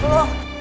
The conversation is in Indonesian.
tidak ada apa apa